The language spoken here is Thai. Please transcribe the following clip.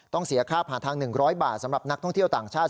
เสียค่าผ่านทาง๑๐๐บาทสำหรับนักท่องเที่ยวต่างชาติ